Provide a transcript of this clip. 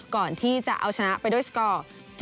ก่อนที่จะเอาชนะไปด้วยสกอร์